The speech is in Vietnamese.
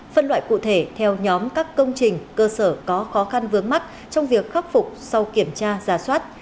phân loại cụ thể theo nhóm các công trình cơ sở có khó khăn vướng mắt trong việc khắc phục sau kiểm tra giả soát